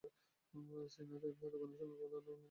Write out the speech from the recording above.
শ্রীনাথের দোকানের সামনে, বাঁধানো বকুলতলায়, কায়েতপাড়ার পথে।